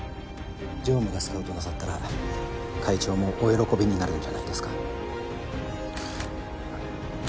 常務がスカウトなさったら会長もお喜びになるんじゃないですか？